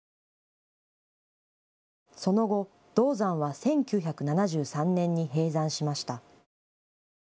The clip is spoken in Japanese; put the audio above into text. その後、銅山は１９７３年に閉山しました。